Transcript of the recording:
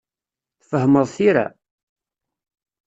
Tfehmeḍ tira?